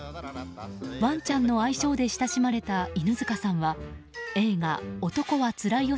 ワンちゃんの愛称で親しまれた犬塚さんは映画「男はつらいよ」